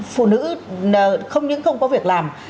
phụ nữ không những không có việc làm